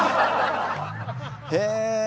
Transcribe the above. へえ！